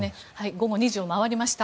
午後２時を回りました。